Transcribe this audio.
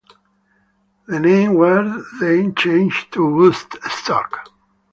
The name was then changed to "Woodstock".